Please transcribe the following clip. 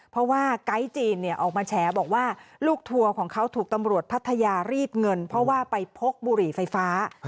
เพราะว่าไก๊จีนเนี่ยออกมาแฉบอกว่าลูกทัวร์ของเขาถูกตำรวจพัทยารีดเงินเพราะว่าไปพกบุหรี่ไฟฟ้า